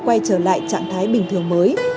quay trở lại trạng thái bình thường mới